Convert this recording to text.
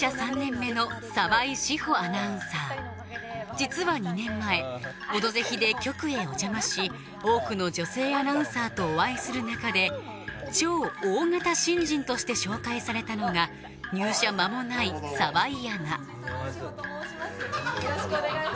実は２年前「オドぜひ」で局へお邪魔し多くの女性アナウンサーとお会いする中で「超大型新人」として紹介されたのが入社間もない澤井アナ澤井志帆と申します